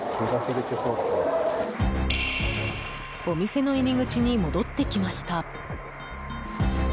お店の入り口に戻ってきました。